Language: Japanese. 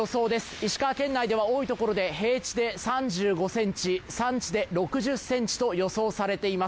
石川県内では多いところでは平地で３５ｃｍ、山地で６０ｃｍと予想されています。